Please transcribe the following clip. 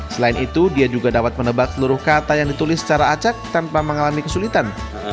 selain itu dia juga dapat menebak seluruh kata yang ditulis secara acak tanpa mengalami kesulitan